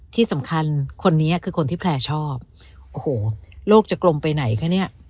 ที่สำคัญคนนี้คือคนที่แพลร์ชอบโอ้โหโลกจะกลมไปไหนคะเนี่ย